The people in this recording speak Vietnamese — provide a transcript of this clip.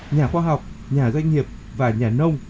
nhà khoa học nhà doanh nghiệp và nhà nông